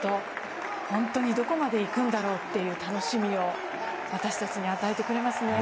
本当にどこまでいくんだろうという楽しみを私たちに与えてくれますね。